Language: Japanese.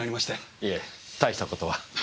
いえたいした事は。